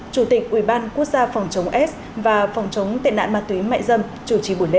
chủ tịch ủy ban quốc gia phòng chống s và phòng chống tệ nạn ma túy mại dâm chủ trì buổi lễ